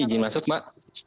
ijin masuk mbak